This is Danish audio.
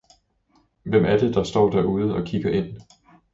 Hvem er det, der står derude og kigger ind?